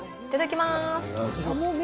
いただきます。